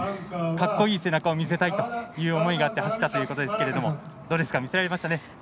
かっこいい背中を見せたいという思いで走ったということですけれども見せられましたね。